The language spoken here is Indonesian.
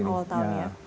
awal tahun ya